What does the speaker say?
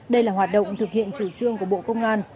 đây là hoạt động thực hiện chủ trương của bộ công an